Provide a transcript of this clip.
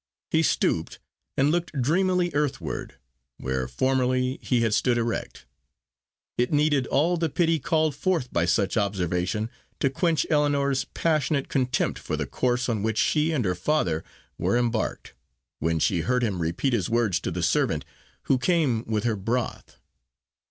He stooped, and looked dreamily earthward, where formerly he had stood erect. It needed all the pity called forth by such observation to quench Ellinor's passionate contempt for the course on which she and her father were embarked, when she heard him repeat his words to the servant who came with her broth.